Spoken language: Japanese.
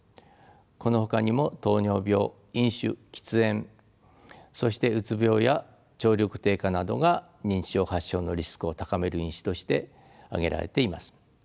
このほかにも糖尿病飲酒喫煙そしてうつ病や聴力低下などが認知症発症のリスクを高める因子として挙げられています。